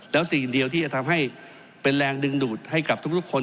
แล้วสิ่งเดียวที่จะทำให้เป็นแรงดึงดูดให้กับทุกคน